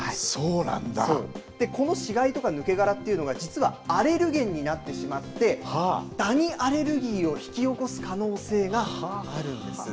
この死骸とか抜け殻というのは実はアレルゲンになってしまってダニアレルギーを引き起こす可能性があるんです。